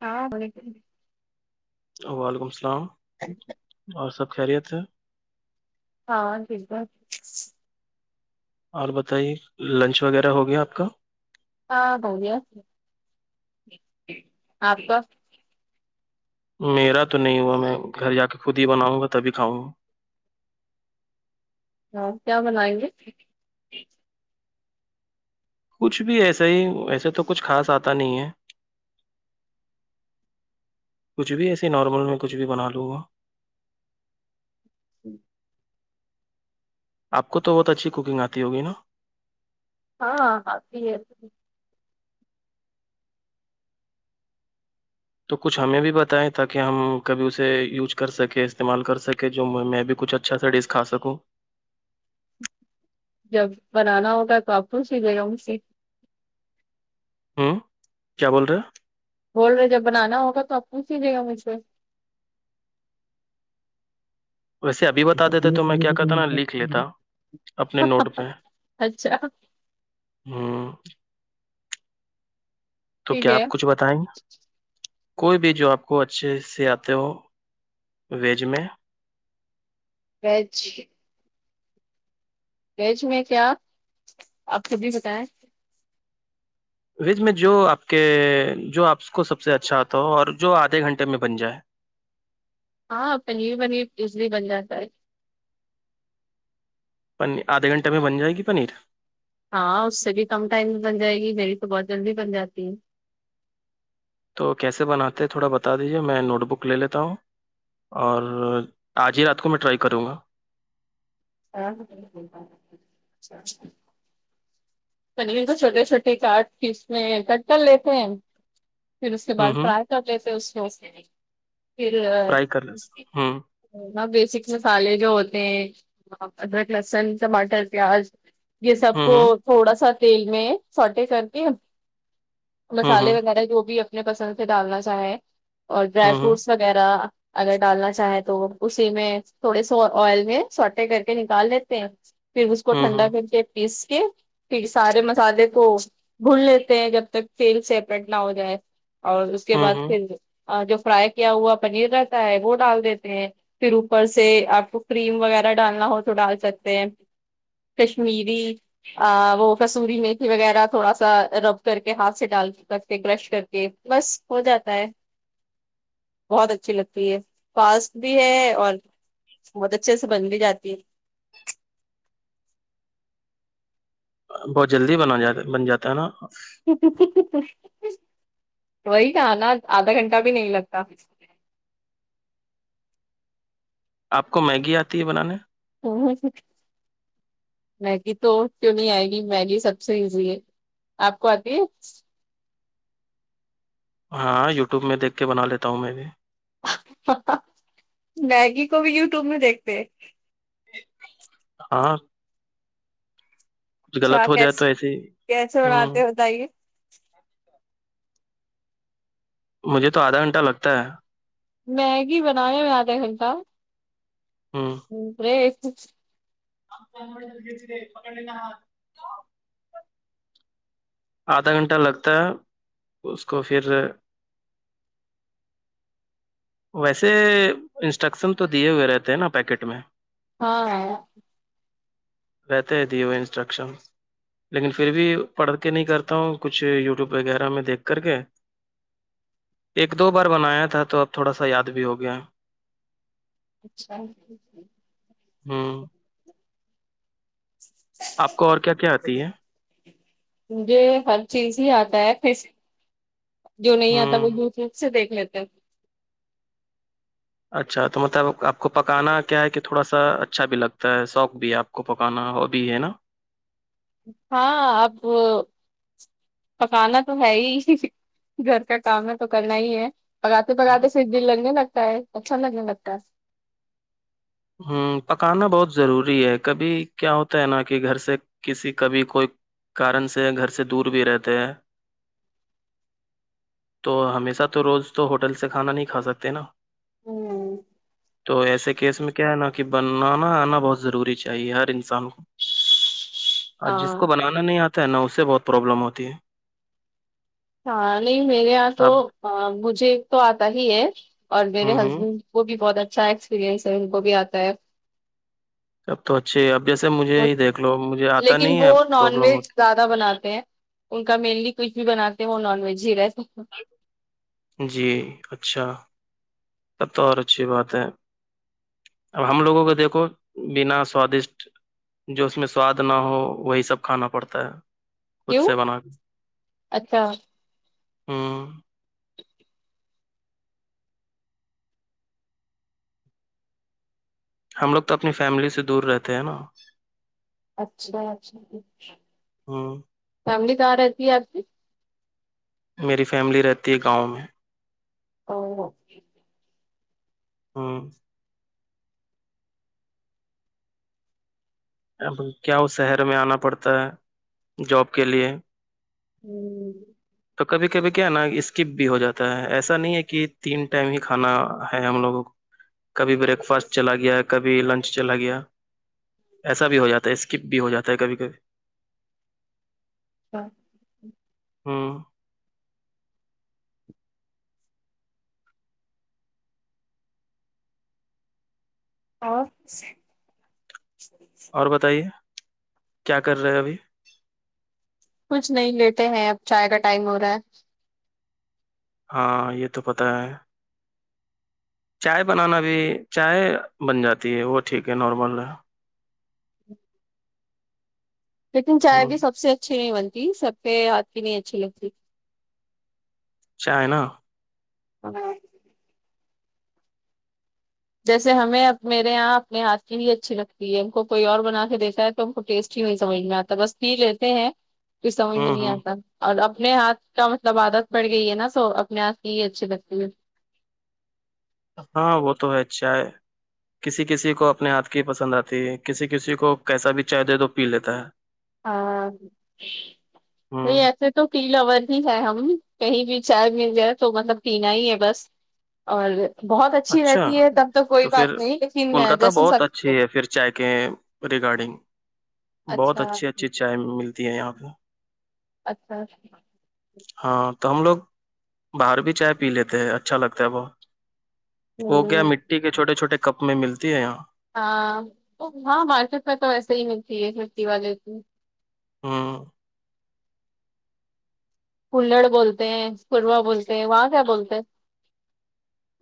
ہاں وعلیکم السلام اور سب خیریت ہے ہاں ٹھیک ہے اور بتائیے لنچ وغیرہ ہوگیا آپ کا ہاں بود آپ کا میرا تو نہیں ہوا میں گھر جا کے خود ہی بناؤں گا تبھی کھاؤں گا ہاں کیا منائیں گے کچھ بھی ایسا ہی وسے تو کچھ خاص آتا نہیں ہے کچھ بھی ایسے نارمل میں کچھ بھی بنا لوں گا جی آپ کو تو بہت اچھی کوکنگ آتی ہوگی نا ہاںاں ہاں بھی تو کچھ ہمیں بھی بتائائے تاکہ ہم کبھی اسے یوز کر سکے استعمال کر سکے جو میں بھی کچھ اچھا سا ڈس کا سکو جب بنانا ہوگا تو آپ کو س جے گا مے ہوں کیا بول رہے ہیں بول رہے جب بنانا ہوگا تو آپ پوچھ لیجیےا مجھ پ سے ویسے ابھی بتا دیتے تو میں کیا کہتا نا لکھ لیتا اپنے نوٹ پہ اچھا ہاں تو ٹھیک کیا ہے آپ کچھ بتائیں گے کوئی بھی جو آپ کو اچھے سے آتے ہو ویج میں ویج ویج میں کیا آپ خود بھی بتائیں وج میں جو آپ کے جو آپ کو سب سے اچھا آتا ہو اور جو آدھے گھنٹے میں بن جائے ہاں پنیر پنیر ازلی بن جاتا ہے پنیر آدھے گھنٹے میں بن جائے گی پنیر ہاں اس سے بھی کم ٹائم بن جائے گی گی تو بہت جلدی بن جاتی تو کیسے بناتے ہیں تھوڑا بتا دیجیے میں نوٹ بک لے لیتا ہوں اور آج ہی رات کو میں ٹرائی کروں گا ہاں اچھا اچھا پنیر کو چھوٹے چھوٹے کاٹ کے اس میں کٹ کر لیتے ہیں پھر اس کے بعد ہوں ہوں فرائی س اس میں پھر ٹرائی کر لیتا ہوں وہاں بیسک مسالے جو ہوتے ہیں ادرک لہسن ٹماٹر پیاز یہ سب ہوں کو ہوں تھوڑا سا تیل میں سارٹی کر کے ہوں مسالے ہوں وغیرہ جو بھی اپنے پسند سے ڈالنا چاہیں اور ڈرائی ہوں ہوں فروٹس وغیرہ اگر ڈالنا چاہیں تو اسی میں تھوڑے سو آئل میں سوٹے کر کے نکال دیتے ہیں پھر اس کو ہوں ٹھنڈا ہوں کر کے پیس کے کیہ سارے مسالے تو بھڈ لیتے ہیں جب تک تیل سیپریٹ نہ ہو جائے اور اس کے ہوں بعد ہوں پھر جو فرائی کیا ہوا پنیر رہتا ہے وہ ڈال دیتے ہیں پھر اوپر سے آپ کو کریم وغیرہ ڈالنا ہو تو ڈال سکتے ہیں کشمیری وہ کسوری میھی وغیرہ تھوڑا سا رب کر کے ہاتھ سے ڈال سکتے برش کر بس ہو جاتا ہے بہت اچھی لگتی ہے فاسٹ بھی ہے اور بہت اچھے سے بن بھی جاتی ہے بہت جلدی بنا جات بن جاتا ہے نا وہی کہ نا آدھا گھنٹہ بھی نہیں لگتا آپ کو میگی آتی ہے بنانے میگی تو کیوں نہیں آئے گی میگی سب سے ایزی ہے آپ کو اتیش ہاں یوٹیوب میں دیکھ کے بنا لیتا ہوں میں بھی میگی کو بھی یوٹیوب میں دیکھتے ہاں اچھا غلط ہو جائے کیس تو ایسے ہی کیسے ہوں بناتے ہیں بتائیے [unintelligible] مجھے تو آدھا گھنٹہ لگتا ہے میگی بنانے میں آدھا گھنٹہ ہوں ہے [unintelligible] آدھا گھنٹہ لگتا ہے اس کو پھر ویسے انسٹرکشن تو دیے ہوئے رہتے ہیں نا پیکٹ میں ہاں رہتے دی ہو انسٹرکشن لیکن پھر بھی پڑھ کہ نہیں کرتا ہوں کچھ یوٹیوب وغیرہ میں دیکھ کر کے ایک دو بار بنایا تھا تو اب تھوڑا سا یاد بھی ہو گیا اچھا ہوں آپ کو اور کیا کیا آتی ہے مجھے ہر چیز ہی آتا ہےس جو نہیں آتا وہ ہوں دھ لکھ سے دیکھ لیتے ہیں اچھا تو مطلب آپ کو پکانا کیا ہے تھوڑا سا اچھا بھی لگتا ہے شوق بھی ہے آپ کو پکانا ہو بھی ہے نا ہاں اب پکانا تو ہے ہی گھر کا کام تو کرنا ہی ہے پگاتے نا پگاتے سدی لگنے لگتا ہے اھا لگے لگتا ہے ہوں پکانا بہت ضروری ہے کبھی کیا ہوتا ہے نا کہ گھر سے کسی کبھی کوئی کارن سے گھر سے دور بھی رہتے ہیں ج تو ہمیشہ تو روز تو ہوٹل سے کھانا نہیں کھا سکتے نا ہوں تو ایسے کیس میں کیا ہے نا کہ بننا نا آنا بہت ضروری چاہیے ہر انسان کو اور جس ہاں کو بنانا نہیں آتا ہے نا اس سے بہت پرابلم ہوتی ہے ہاں نہیں میرے یہاں تو اب مجھے ایک تو آتا ہی ہے اور میرے ہوں ہوں ہسبینڈ وہ بھی بہت اچھا ایکسپیرریئنس ہے ان کو بھی آتا ہے اب تو اچھے ہے اب جیسے مجھے وہ ہی دیکھ لو مجھے آتا لیکن نہیں ہے وہ نان پرابلم ویج ہوتی زیادہ بناتے ہیں ان کا مینلی کچھ بھی بناتے ہیں وہ نان ویج ہی رہتے ہیں جی اچھا تب تو اور اچھی بات ہے اب ہم لوگوں کو دیکھو بنا سوادشٹ جو اس میں سواد نہ ہو وہی سب کھانا پڑتا ہے خود کیوں سے بنا کے اچھا ہوں ہم لوگ تو اپنی فیملی سے دور رہتے ہیں نا اچھاچ ہوں فیملی کہاں رہتی ہے آپ کی میری فیملی رہتی ہے گاؤں میں او ہاں ا کیا وہ شہر میں آنا پڑتا ہے جاب کے لیے ہوں تو کبھی کبھی کیا ہے نا اسکپ بھی ہو جاتا ہے ایسا نہیں ہے کہ تین ٹائم ہی کھانا ہے ہم لوگوں کو کبھی بریک فاسٹ چلا گیا کبھی لنچ چلا گیا ایسا بھی ہو جاتا ہے اسکپ بھی ہو جاتا ہے کبھی کبھی ہاں ہاں [unintelligible] اور بتائیے کیا کر رہے ہیں ابھی کچھ نہیں لیتے ہیں اب چائے کا ٹائم ہو رہا ہے ہاں یہ تو پتا ہے چائے بنانا بھی چائے بن جاتی ہے وہ ٹھیک ہے نارمل ہے لیکن چائے ہ بھی سب سے اچھی نہیں بنتی سب کے ہاتھ کی نہیں اچھی لگتی چائنا ہاں جیسے ہمیں اب میرے یہاں اپنے ہاتھ کے لیے اچھی لگتی ہے ہم کوئی اور بنا کے دیکھا ہے کو ٹیسٹ ہی نہیں سمجھ میں آتا بس پی لیتے ہیں کو سمجھ میں ہوں نہیں ہوں آتا اور اپنے ہاتھ تو مطلب عادت پڑھ گئی ہے نا سو اپنے آپ کی یہ اچھی لگتی ہے ہاں وہ تو ہے اچھا ہے کسی کسی کو اپنے ہاتھ کی پسند آتی ہے کسی کسی کو کیسا بھی چائے دے دو پی لیتا ہے ہاں نہیں ہ ایسے تو پیلاور ہی ہے ہم کہیں بھی چائے مل جائے تو مطلب پینا ہی ہے بس اور بہت اچھی اچھا رہتی ہے تب توک کوئی تو بات پھر نہیں لیکن کولکاتہ جیسے سب بہت اچھی ہے پھر چائے کے ریگارڈنگ بہت اچھا اچھی اچھی چائے ملتی ہے یہاں پہ اچھا ہاں تو ہم لوگ باہر بھی چائے پی لیتے ہیں اچھا لگتا ہے بہت وہ کیا ہوں مٹی کے چھوٹے چھوٹے کپ میں ملتی ہے یہاں ہاں ہاں مارکیٹ میں تو ویسے ہی ملتی ہے مھٹی والے ہاں کلہڑ بولتے ہیں کوروا بولتے ہیں واں کیا بولتے ہے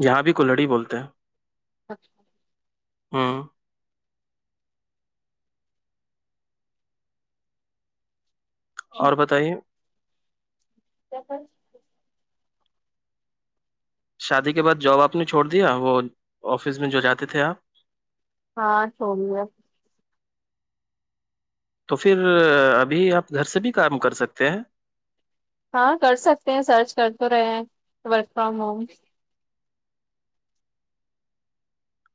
جہاں بھی کولڑی بولتے ہیں ہیں ہوں اور بتائیے تو پن شادی کے بعد جاب آپ نے چھوڑ دیا وہ آفس میں جو جاتے تھے آپ ہاں سو بھی ہے تو پھر ابھی آپ گھر سے بھی کام کر سکتے ہیں ہاں کر سکتے ہیں سرچ کر تو رہے ہیں ورک فرام ہوم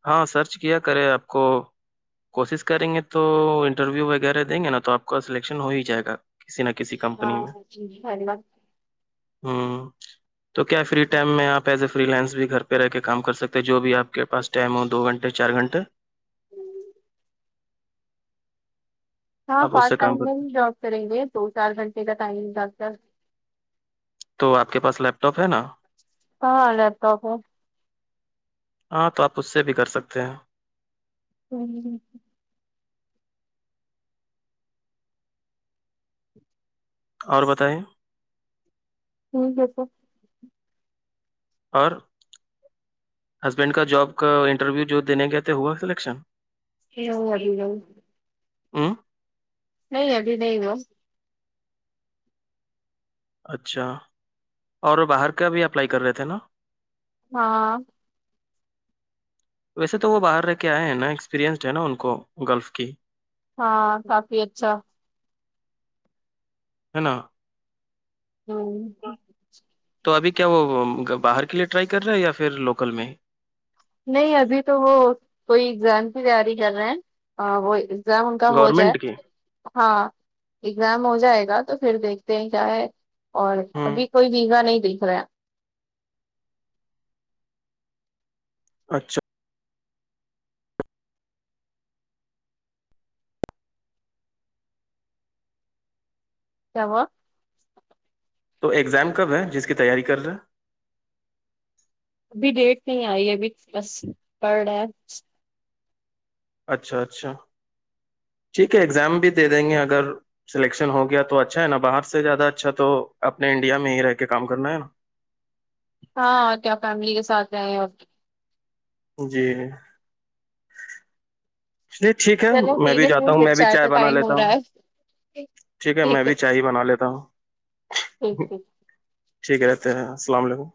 ہاں سرچ کیا کرے آپ کو کوشش کریں گے تو انٹرویو وغیرہ دیں گے نا تو آپ کا سلیکشن ہو ہی جائے گا کسی نہ کسی کمپنی ہاں میں جی، دھنیہ ہوں تو کیا فری ٹائم میں آپ ایز اے فری لینس بھی گھر پہ رہ کے کام کر سکتے ہیں جو بھی آپ کے پاس ٹائم ہو دو گھنٹے چار گھنٹے ہوں ہاں آپ اس پارٹ سے کام ٹائم میں کرتے ہیں. ہی جاب کریں گے دو چار گھنٹے کا ٹائم ڈاکر تو آپ کے پاس لیپ ٹاپ ہے نا کہ لپ تاپ ہو ہاں تو آپ اس سے بھی کر سکتے ہیں کوی جی [unintelligible] اور بتائیں ٹھیک ہے سب اور ہسبینڈ کا جاب کا انٹرویو جو دینے کہتے ہوا سلیکشن رو ہ رہو [unintelligible] ہوں نہیں ابی د وہ اچھا اور باہر کا بھی اپلائی کر رہے تھے نا ہاں ویسے تو وہ باہر رہ کے آئے ہیں نا ایکسپیریئنسڈ ہے نا ان کو گلف کی ہاں کافی اچھا ہے نا ہوں تو ابھی کیا وہ باہر کے لیے ٹرائی کر رہے ہے یا پھر لوکل میں نہیں ابھی تو وہ کوئی ایگزام کی تیاری کر رہے ہیں وہ ایزام ان کا ہو جائے گورنمنٹ کی ہاں ایگزام ہو جائے گا تو پھر دیکھتے ہیں کیا ہے اور ہوں ابھی کوئی بیگا نہیں دکھ رہا اچھا کیا ہوا تو ایگزام کب ہے جس کی تیاری کر رہے ہیں ابھی ڈیٹ نہیں آئی ابھی بس پڑ رہا ہے اچھا اچھا ٹھیک ہے اگزام بھی دے دیں گے اگر سلیکشن ہو گیا تو اچھا ہے نا باہر سے زیادہ اچھا تو اپنے انڈیا میں ہی رہ کے کام کرنا ہے نا ہاں کیا فیملی کے ساتھ گئے ہیں اور جی چے ٹھیک ہے چلو میں ٹھیک بھی ہے جاتا پھر ہوں میری میں بھی چائے کا بنا ٹائم لیتا ہو ہوں رہا ہے ٹھیک ہے میں بھی چاہ ہی بنا لیتا ہوں ٹھیک ٹھیک ٹھیک ہے رہتے ہیں السلام علیکم